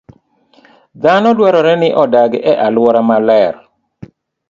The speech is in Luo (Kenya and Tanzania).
Dhano dwarore ni odag e alwora maler.